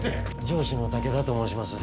上司の武田と申します。